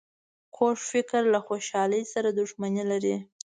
کوږ فکر له خوشحالۍ سره دښمني لري